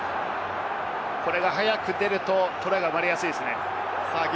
これが早く出るとトライが生まれやすいですね。